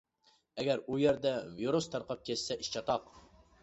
ئەگەر ئۇ يەردە ۋىرۇس تارقاپ كەتسە، ئىش چاتاق.